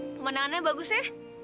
temanannya bagus ya